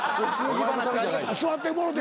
座ってもろて。